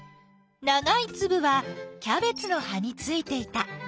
ながいつぶはキャベツの葉についていた。